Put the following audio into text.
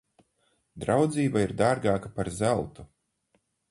Draudzība ir dārgāka par zeltu.